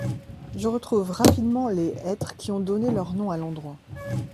Je retrouve rapidement les hêtres qui ont donné leur nom à l’endroit.